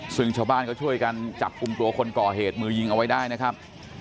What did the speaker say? ซึ่งชาวบ้านก็ช่วยกันจับกลุ่มตัวคนก่อเหตุมือยิงเอาไว้ได้นะครับ